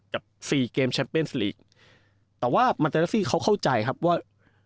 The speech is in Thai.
กับสี่เกมแชมเปญส์ลีกแต่ว่าเขาเข้าใจครับว่า